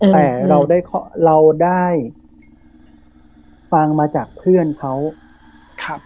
แต่เราได้เราได้ฟังมาจากเพื่อนเขาครับ